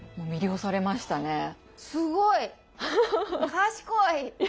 賢い！